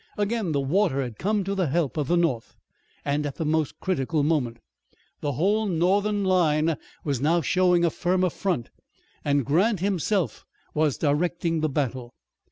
Again the water had come to the help of the North, and at the most critical moment. The whole Northern line was now showing a firmer front, and Grant, himself, was directing the battle.